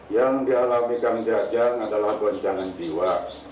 yang dialami kang jajang adalah goncangan jiwa